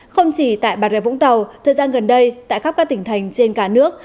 không chỉ tại bà rê vũng tàu thời gian gần đây tại khắp các tỉnh thành trên cả nước